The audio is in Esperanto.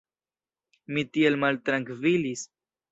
Mi tiel maltrankvilis!